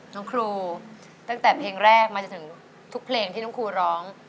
น้องครูตั้งแต่เพลงแรกมาจนถึงทุกเพลงที่น้องครูร้อง